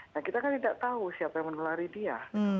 nah kita kan tidak tahu siapa yang menelari dia